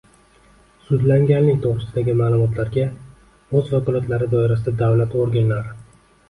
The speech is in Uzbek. sudlanganlik to‘g‘risidagi ma’lumotlarga o‘z vakolatlari doirasida davlat organlari